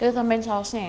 kita tambahin sausnya ya